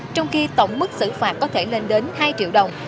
trong khi tổng mức xử phạt có thể lên đến hai triệu đồng